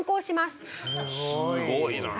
すごいな！